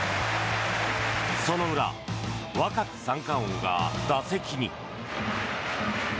その裏、若き三冠王が打席に。